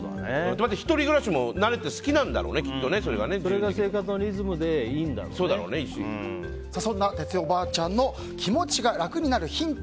１人暮らしも慣れてそれが生活のリズムでそんな哲代おばあちゃんの気持ちが楽になるヒント